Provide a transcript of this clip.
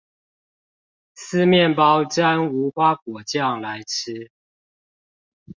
撕麵包沾無花果醬來吃